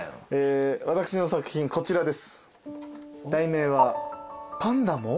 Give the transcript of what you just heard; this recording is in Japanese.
私の作品こちらです。